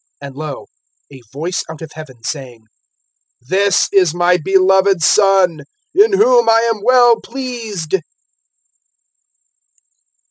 (17)And lo, a voice out of heaven, saying: This is my beloved Son, in whom I am well pleased.